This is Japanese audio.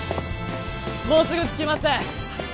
もうすぐ着きます！